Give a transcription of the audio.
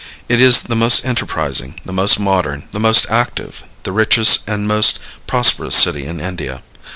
It is the most enterprising, the most modern, the most active, the richest and the most prosperous city in India.